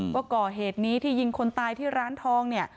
ว่าก่อเหตุนี้ที่ยิงคนตายที่ร้านทองเนี่ย